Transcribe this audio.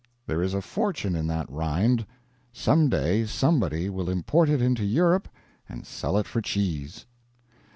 There is a fortune in that rind. Some day somebody will import it into Europe and sell it for cheese.